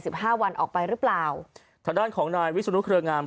ห้าวันออกไปหรือเปล่าทางด้านของนายวิศนุเครืองาม